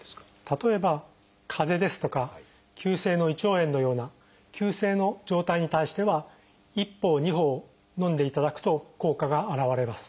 例えばかぜですとか急性の胃腸炎のような急性の状態に対しては１包２包のんでいただくと効果が表れます。